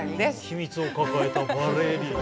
秘密を抱えたバレリーナ。